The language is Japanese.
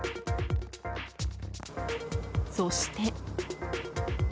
そして。